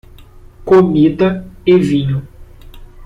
Comida e vinho